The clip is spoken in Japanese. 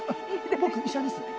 僕医者です。